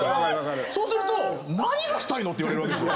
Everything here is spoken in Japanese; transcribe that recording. そうすると「何がしたいの？」って言われる。